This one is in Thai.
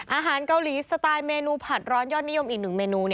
อาหารเกาหลีสไตล์เมนูผัดร้อนยอดนิยมอีกหนึ่งเมนู